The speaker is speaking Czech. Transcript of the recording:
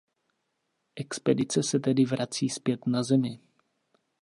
Expedice se tedy vrací zpět na Zemi.